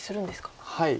はい。